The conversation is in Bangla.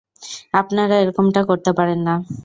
আপনারা এরকমটা করতে পারেন না!